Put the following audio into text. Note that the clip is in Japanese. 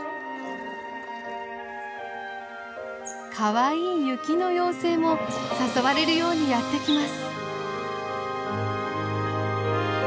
かわいい雪の妖精も誘われるようにやって来ます。